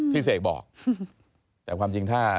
เสกบอกแต่ความจริงถ้า